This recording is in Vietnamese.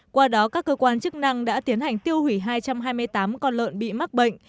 qua đó các cơ quan chức năng đã tiến hành tiêu hủy hai trăm hai mươi tám con lợn bị mắc bệnh